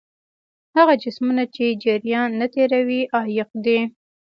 هغه جسمونه چې جریان نه تیروي عایق دي.